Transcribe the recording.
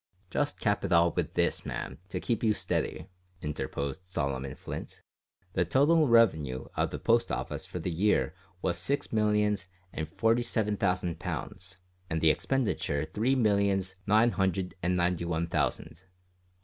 "Just cap it all with this, ma'am, to keep you steady," interposed Solomon Flint; "the total revenue of the Post Office for the year was six millions and forty seven thousand pounds; and the expenditure three millions nine hundred and ninety one thousand.